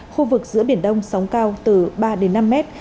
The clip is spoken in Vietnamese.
khu vực giữa biển đông sóng cao từ ba đến năm mét